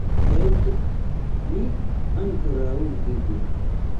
Sed ni ankoraŭ vidu!